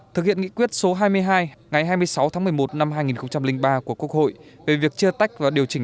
thực hiện nghị quyết số hai mươi hai ngày hai mươi sáu tháng một mươi một năm hai nghìn ba của quốc hội về việc chia tách và điều chỉnh